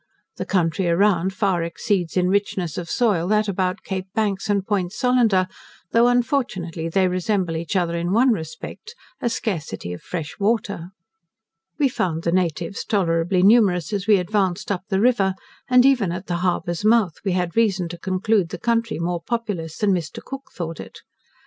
The country around far exceeds in richness of soil that about Cape Banks and Point Solander, though unfortunately they resemble each other in one respect, a scarcity of fresh water. We found the natives tolerably numerous as we advanced up the river, and even at the harbour's mouth we had reason to conclude the country more populous than Mr. Cook thought it.